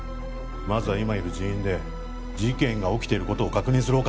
まずは今いる人員で事件が起きていることを確認する